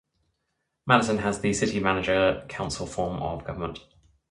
Madison has the city manager-council form of government.